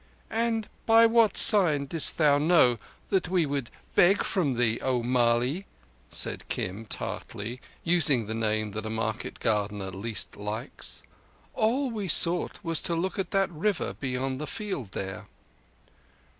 "And by what sign didst thou know that we would beg from thee, O Mali?" said Kim tartly, using the name that a market gardener least likes. "All we sought was to look at that river beyond the field there."